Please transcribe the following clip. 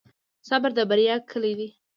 صبر د بریا کلي ده.